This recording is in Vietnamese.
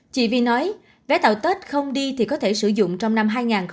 chị vi nói vé tàu tết không đi thì có thể sử dụng trong năm hai nghìn hai mươi